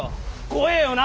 怖えよな。